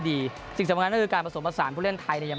ดีสิ่งสำหรับนั้นคือการประสบประสานผู้เล่นไทยยัง